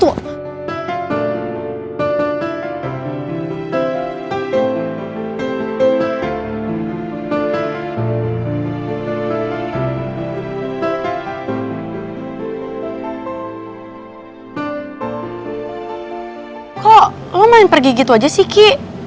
kok kamu main pergi gitu aja sih ki